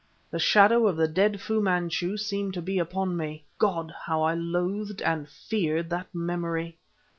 The shadow of the dead Fu Manchu seemed to be upon me. God! how I loathed and feared that memory!